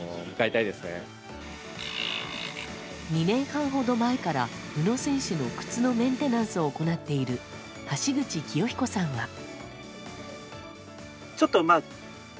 ２年半ほど前から宇野選手の靴のメンテナンスを行っている、橋口清彦さんは。